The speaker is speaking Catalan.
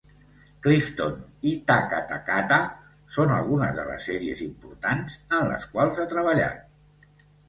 "Clifton" i "Taka Takata" són algunes de les sèries importants en les quals ha treballat.